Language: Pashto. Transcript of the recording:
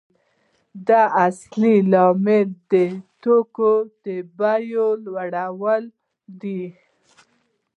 دا اصلي لامل د توکو د بیې لوړوالی دی